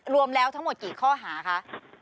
รวมแล้วทั้งหมดกี่ข้อหาคะ